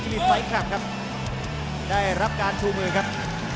ขอบคุณครับครับได้รับการชูมือครับ